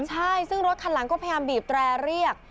ใช่ซึ่งรถคันหลังก็พยายามบีบแตรเรียก